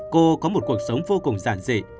cô có một cuộc sống vô cùng giản dị